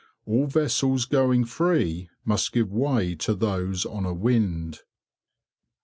All vessels going free must give way to those on a wind."